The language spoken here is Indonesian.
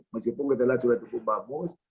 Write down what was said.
meskipun kita lihat sudah cukup bagus